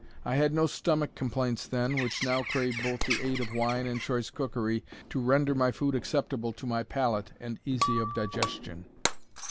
I had no stomach complaints then, which now crave both the aid of wine and choice cookery, to render my food acceptable to my palate, and easy of digestion."